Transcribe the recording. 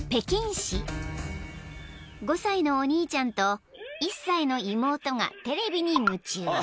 ［５歳のお兄ちゃんと１歳の妹がテレビに夢中］